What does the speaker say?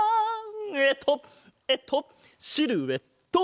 えっとえっとシルエット！